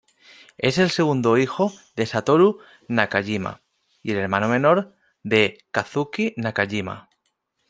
Es el segundo hijo de Satoru Nakajima y el hermano menor de Kazuki Nakajima.